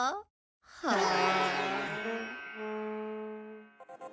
はあ。